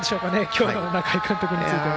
今日の中井監督については。